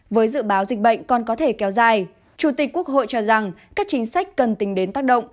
với dự báo dịch bệnh còn có thể kéo dài chủ tịch quốc hội cho rằng các chính sách cần tính đến tác động